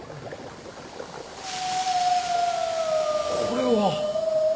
これは。